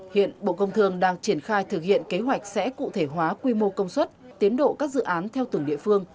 hiện bộ công thương đang triển khai thực hiện kế hoạch sẽ cụ thể hóa quy mô công suất tiến độ các dự án theo từng địa phương